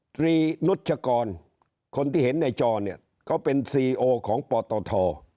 ตรีนุชกรคนที่เห็นในจอเนี่ยเขาเป็นซีโอของปตท